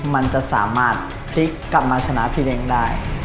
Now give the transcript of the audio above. มันจะสามารถพลิกกลับมาชนะพี่เล้งได้